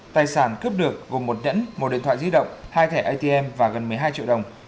tài sản cướp được gồm một nhẫn một điện thoại di động hai thẻ atm và gần một mươi hai triệu đồng